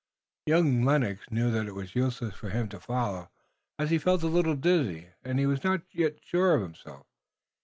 Young Lennox knew that it was useless for him to follow, as he felt a little dizzy and he was not yet sure of himself.